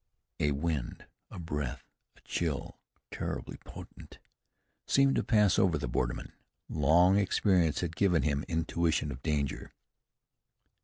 A wind, a breath, a chill, terribly potent, seemed to pass over the borderman. Long experience had given him intuition of danger.